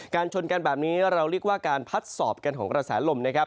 ชนกันแบบนี้เราเรียกว่าการพัดสอบกันของกระแสลมนะครับ